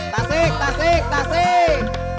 tasik tasik tasik